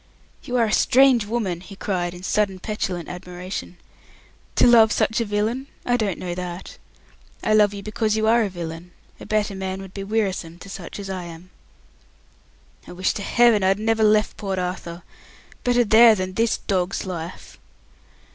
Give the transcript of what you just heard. "You are a strange woman!" he cried, in sudden petulant admiration. "To love such a villain? I don't know that. I love you because you are a villain. A better man would be wearisome to such as I am." "I wish to Heaven I'd never left Port Arthur. Better there than this dog's life."